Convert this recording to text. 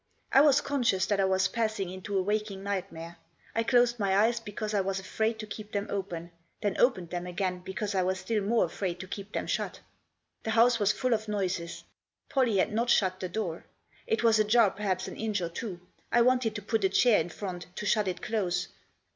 I was con scious that I was passing into a waking nightmare. I closed my eyes because I was afraid to keep them open ; then opened them again because I was still more afraid to keep them shut. The house was full of noises. Pollie had not shut the door. It was ajar perhaps an inch or two. I wanted to put a chair in front, to shut it close.